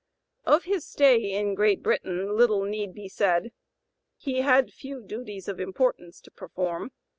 Of his stay in Great Britain little need be said. He had few duties of importance to perform.